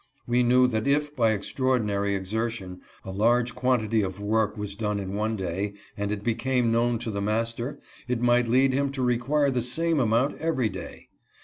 We knew that if by extraordinary exer tion a large quantity of work was done in one day, and it became known to the master, it might lead him to require the same amount every day.